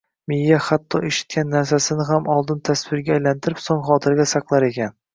Miya hatto eshitgan narsasini ham oldin tasvirga aylantirib, soʻng xotiraga saqlar ekan